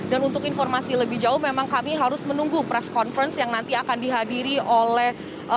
dan untuk informasi lebih jauh memang kami harus menunggu press conference yang nanti akan dihadiri oleh